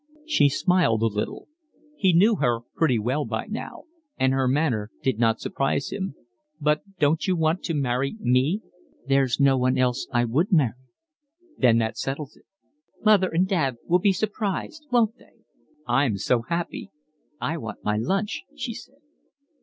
He smiled a little. He knew her pretty well by now, and her manner did not surprise him. "But don't you want to marry ME?" "There's no one else I would marry." "Then that settles it." "Mother and Dad will be surprised, won't they?" "I'm so happy." "I want my lunch," she said.